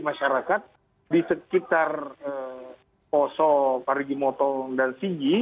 masyarakat di sekitar koso parijimoto dan sigi